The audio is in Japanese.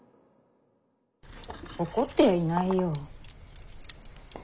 怒ってやいないよ。